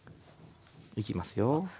いきますよ。